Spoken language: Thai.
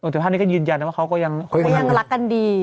แต่ท่านนี้ก็ยืนยันนะว่าเขาก็ยังรักกันดี